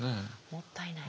もったいない。